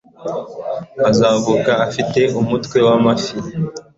azavuka afite umutwe wamafi